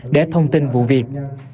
để thông tin vụ việc